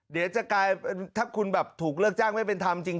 เดี๋ยวจะกลายถ้าคุณแบบถูกเลิกจ้างไม่เป็นธรรมจริง